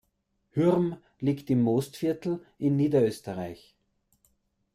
Hürm liegt im Mostviertel in Niederösterreich.